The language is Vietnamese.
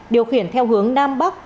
điều khiển theo hướng nam bắc